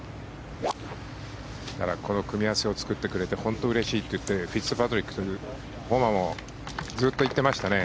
この組み合わせを作ってくれて本当うれしいってフィッツパトリック、ホマもずっと言ってましたね。